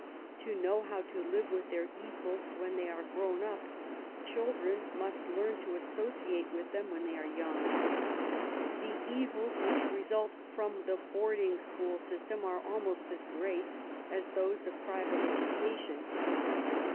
To know how to live with their equals when they are grown up, children must learn to associate with them when they are young. The evils which result from the boarding school system are almost as great as those of private educa tion.